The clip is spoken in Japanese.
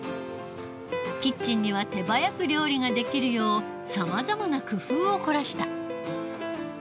キッチンには手早く料理ができるようさまざまな工夫を凝らした。